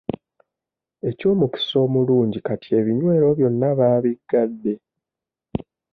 Eky'omukisa omulungi kati ebinywero byonna baabigadde.